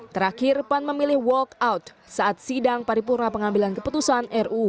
terakhir pan memilih walk out saat sidang paripurna pengambilan keputusan ruu pemerintah